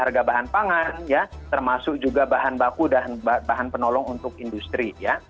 harga bahan pangan ya termasuk juga bahan baku dan bahan penolong untuk industri ya